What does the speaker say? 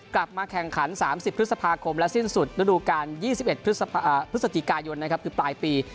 กลับมาแข่งขัน๓๐พฤษภาคมและสิ้นสุดฤดูการ๒๑พฤศจิกายนนะครับคือปลายปี